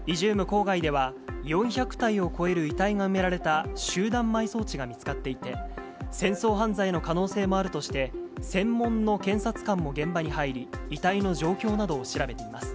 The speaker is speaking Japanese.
郊外では、４００体を超える遺体が埋められた集団埋葬地が見つかっていて、戦争犯罪の可能性もあるとして、専門の検察官も現場に入り、遺体の状況などを調べています。